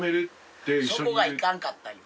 そこがいかんかったんよ。